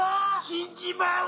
死んじまう！